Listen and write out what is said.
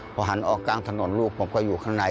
พอหันออกกลางถนนลูกผมก็อยู่ข้างใน